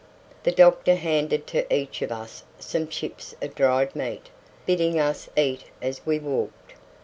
The doctor handed to each of us some chips of dried meat, bidding us eat as we walked.